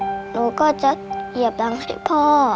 หนูก็จะเหยียบดังให้พ่อ